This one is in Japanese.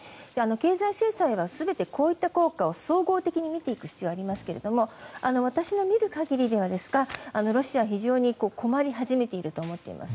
経済制裁は全てこういった効果を総合的に見ていく必要がありますが私の見る限りですがロシアは非常に困り始めていると思っています。